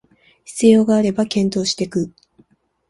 必要があれば検討していく